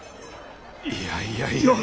いやいやいやいや。